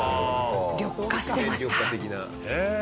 緑化してました。